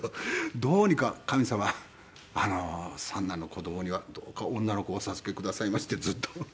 どうにか神様三男の子供にはどうか女の子をお授けくださいましってずっと。